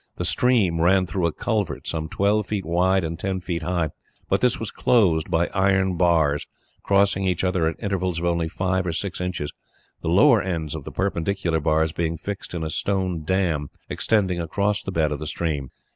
The stream ran through a culvert, some twelve feet wide and ten feet high, but this was closed by iron bars, crossing each other at intervals of only five or six inches, the lower ends of the perpendicular bars being fixed in a stone dam, extending across the bed of the stream.